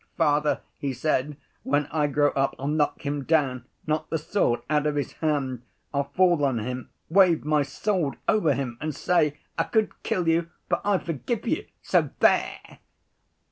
'Father,' he said, 'when I grow up, I'll knock him down, knock the sword out of his hand, I'll fall on him, wave my sword over him and say: "I could kill you, but I forgive you, so there!"